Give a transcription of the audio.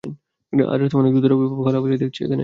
আজ রাতে অনেক দুধের লাফালাফি দেখছি এখানে।